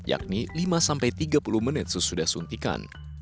yakni lima sampai tiga puluh menit sesudah suntikan